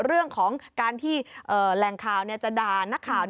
เรื่องของการที่แหล่งข่าวจะด่านักข่าว